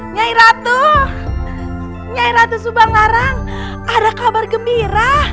nyai ratu nyai ratu subangarang ada kabar gembira